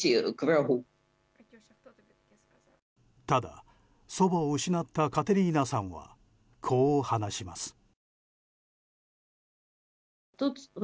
ただ、祖母を失ったカテリーナさんはこう話します。